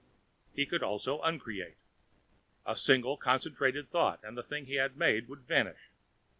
He could also uncreate. A single concentrated thought and the thing he had made would vanish.